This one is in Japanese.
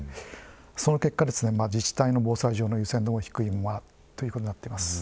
その結果自治体の防災上の優先順位も低いということになっています。